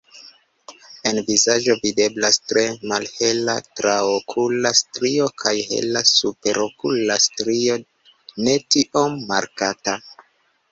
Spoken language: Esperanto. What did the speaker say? En vizaĝo videblas tre malhela traokula strio kaj hela superokula strio ne tiom markata.